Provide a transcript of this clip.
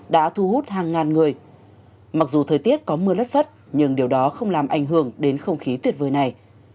đã thu hút hàng ngàn người mặc dù thời tiết có mưa lất phất nhưng điều đó không làm ảnh hưởng đến không khí tuyệt vời này